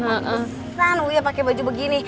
pantesan uya pake baju begini